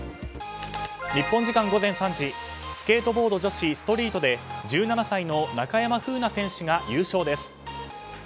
日本時間午前３時スケートボード女子ストリートで１７歳の中山楓奈選手が優勝です。